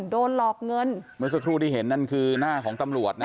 โดนหลอกเงินเมื่อสักครู่ที่เห็นนั่นคือหน้าของตำรวจนะ